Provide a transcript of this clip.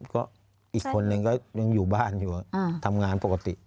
ก็อีกคนนึงก็ยังอยู่บ้านอยู่ทำงานปกติ